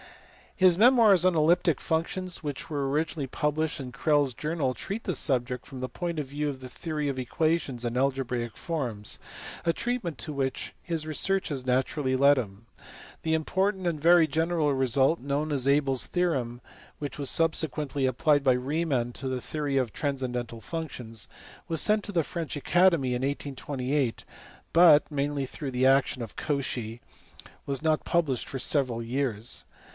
His memoirs on elliptic functions which were originally published in Crellds Journal treat the subject from the point of view of the theory of equations and algebraic forms, a treatment to which his researches naturally led him. The important and very general result known as Abel s theorem, which was subsequently applied by Riemann to the theory of transcendental functions, was sent to the French Academy in 1828, but (mainly through the action of Cauchy) was not published for several years.